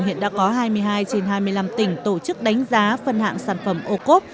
hiện đã có hai mươi hai trên hai mươi năm tỉnh tổ chức đánh giá phân hạng sản phẩm ô cốp